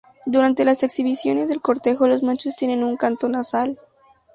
Durante las exhibiciones de cortejo los machos tienen un canto nasal.